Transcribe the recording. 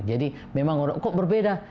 jadi memang kok berbeda